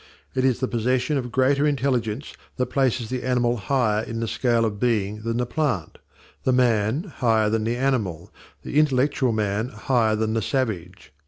It is the possession of greater intelligence that places the animal higher in the scale of being than the plant, the man higher than the animal, the intellectual man higher than the savage.